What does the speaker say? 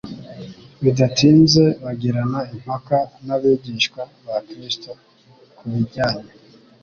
Bidatinze bagirana impaka n’abigishwa ba Kristo ku bijyanye